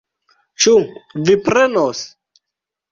Ĉu vi prenos?